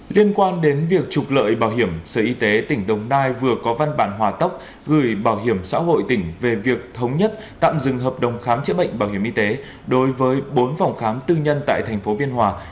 liên quan đến việc trục lợi bảo hiểm sở y tế tỉnh đồng nai vừa có văn bản hòa tốc gửi bảo hiểm xã hội tỉnh về việc thống nhất tạm dừng hợp đồng khám chữa bệnh bảo hiểm y tế đối với bốn phòng khám tư nhân tại thành phố biên hòa